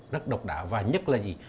rất độc đạo và nhất là gì